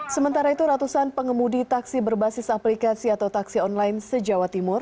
sementara itu ratusan pengemudi taksi berbasis aplikasi atau taksi online se jawa timur